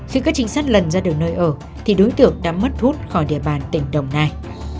khi các trinh sát lần ra được nơi ở thì đối tượng đã mất hút khỏi địa bàn tỉnh đồng nai